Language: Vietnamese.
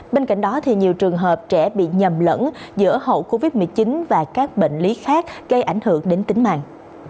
bên cạnh đó nhiều trường hợp trẻ bị nhầm lẫn giữa hậu covid một mươi chín và các bệnh lý khác gây ảnh hưởng đến tính mạng